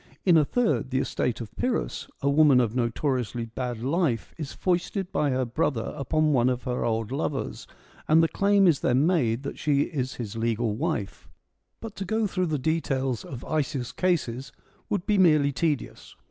In a third, the estate of Pyrrhus, a woman of notori ously bad life is foisted by her brother upon one of her old lovers, and the claim is then made that she is his legal wife. But to go through the details of Isaeus' cases would be merely tedious.